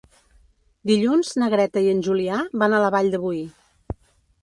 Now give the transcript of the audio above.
Dilluns na Greta i en Julià van a la Vall de Boí.